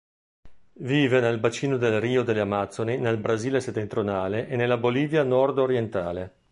Vive nel Bacino del Rio delle Amazzoni nel Brasile settentrionale e nella Bolivia nord-orientale.